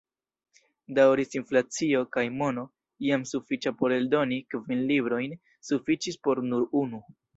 Daŭris inflacio, kaj mono, iam sufiĉa por eldoni kvin librojn, sufiĉis por nur unu.